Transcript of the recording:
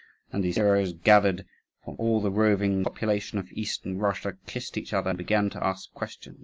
And these heroes, gathered from all the roving population of Eastern Russia, kissed each other and began to ask questions.